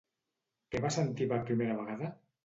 Què va sentir per primera vegada?